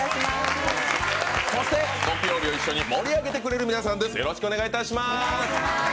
そして木曜日を一緒に盛り上げてくれる皆さんです。